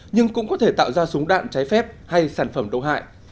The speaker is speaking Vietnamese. nhưng cũng có thể tạo ra súng đạn trái phép hay sản phẩm độc hại